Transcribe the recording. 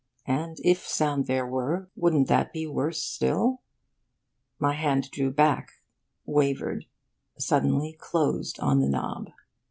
And if sound there were, wouldn't that be worse still? My hand drew back, wavered, suddenly closed on the knob.